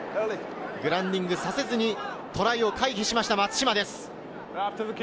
グラウンディングさせずにトライを回避した松島です。